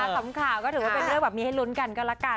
สำคัญก็ถือว่าเป็นเรื่องแบบนี้ให้ลุ้นกันก็ละกัน